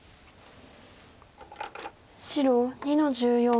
白２の十四。